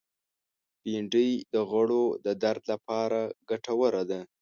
بېنډۍ د غړو د درد لپاره ګټوره ده